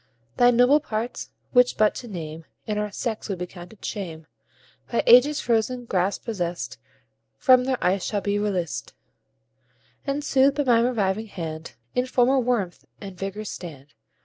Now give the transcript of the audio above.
Thy nobler parts, which but to name In our sex would be counted shame, By ages frozen grasp possest, From their ice shall be released, And, soothed by my reviving hand, In former warmth and vigour stand.